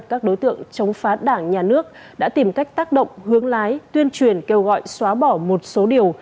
các đối tượng chống phá đảng nhà nước đã tìm cách tác động hướng lái tuyên truyền kêu gọi xóa bỏ một số điều